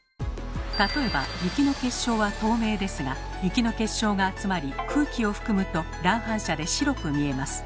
例えば雪の結晶は透明ですが雪の結晶が集まり空気を含むと乱反射で白く見えます。